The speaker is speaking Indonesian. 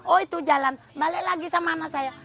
oh itu jalan balik lagi sama anak saya